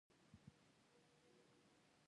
دا دومره لوی کار دی چې تمثیل نه لري.